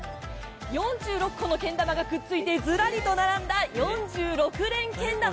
４６個のけん玉がくっついて、ずらりと並んだ４６連けん玉。